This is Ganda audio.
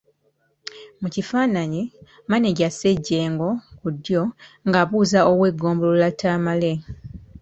Mu kifaananyi, Mmaneja Ssejjengo (ku ddyo) nga abuuza Ow’eggombolola Tamale.